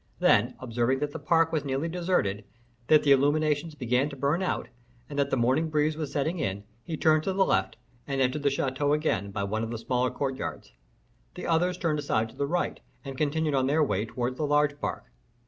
Then, observing that the park was nearly deserted, that the illuminations began to burn out, and that the morning breeze was setting in, he turned to the left, and entered the chateau again, by one of the smaller courtyards. The others turned aside to the right, and continued on their way towards the large park.